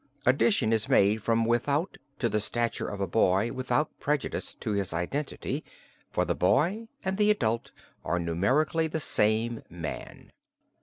Addition is made from without to the stature of a boy without prejudice to his identity, for the boy and the adult are numerically the same man."